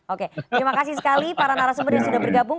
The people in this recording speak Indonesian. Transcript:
oke terima kasih sekali para narasumber yang sudah bergabung